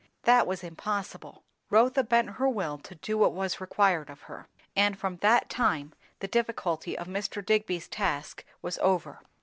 That was impossible. Rotha bent her will to do what was required of her; and from that time the difficulty of Mr. Digby's task was over.